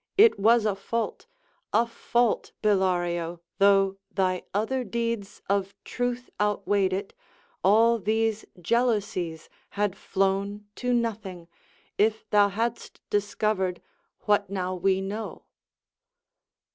It was a fault, A fault, Bellario, though thy other deeds Of truth outweighed it: all these jealousies Had flown to nothing, if thou hadst discovered What now we know.